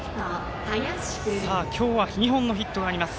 今日は２本のヒットがあります。